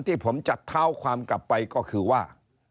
ที่ผมจะเท้าความกลับไปก็คือว่า